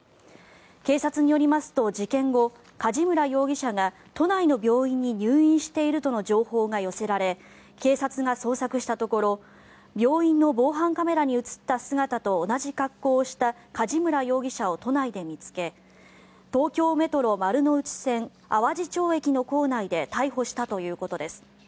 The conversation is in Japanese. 警察によりますと事件後梶村容疑者が都内の病院に入院しているとの情報が寄せられ警察が捜索したところ病院の防犯カメラに映った姿と同じ格好をした梶村容疑者を都内で見つけ東京メトロ丸ノ内線淡路町駅の構内で逮捕したということです。